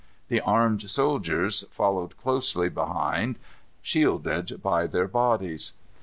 The armed soldiers followed closely behind, shielded by their bodies.